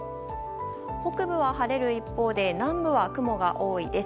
北部は晴れる一方で南部では雲が多いです。